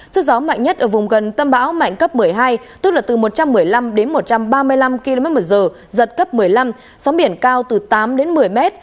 sức gió mạnh nhất ở vùng gần tâm bão mạnh cấp một mươi hai tức là từ một trăm một mươi năm đến một trăm ba mươi năm km một giờ giật cấp một mươi năm sóng biển cao từ tám đến một mươi m